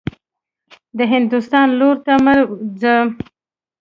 د هندوستان لور ته مه ځه.